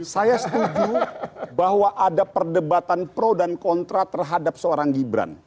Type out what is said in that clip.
saya setuju bahwa ada perdebatan pro dan kontra terhadap seorang gibran